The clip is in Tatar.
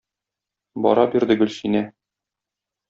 Бара бирде Гөлсинә.